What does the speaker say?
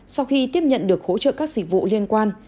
sau khi tiếp nhận được hỗ trợ các dịch vụ liên quan